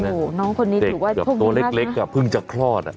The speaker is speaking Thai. เด็กกับตัวเล็กเพิ่งจะคลอด